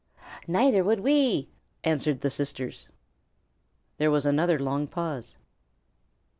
"Neither would we," answered the sisters. There was another long pause.